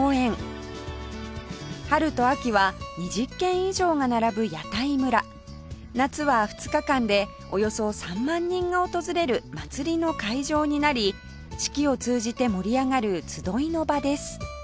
春と秋は２０軒以上が並ぶ屋台村夏は２日間でおよそ３万人が訪れる祭りの会場になり四季を通じて盛り上がる集いの場です